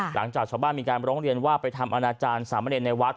หลังจากชาวบ้านมีการร้องเรียนว่าไปทำอนาจารย์สามเณรในวัด